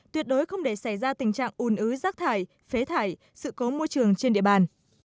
tuyệt đối không để xảy ra tình trạng ùn ứ rác thải phế thải sự cố môi trường trên địa bàn